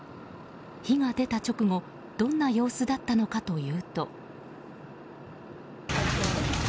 火が出た直後どんな様子だったのかというと。